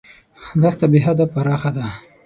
دښته بېحده پراخه ده.